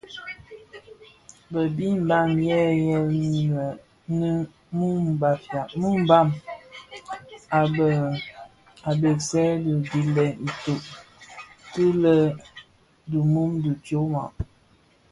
Bë bi Mbam yèn yè yi muu mbam a begsè dhi gilèn ibouk ki lè di mum dhi tyoma.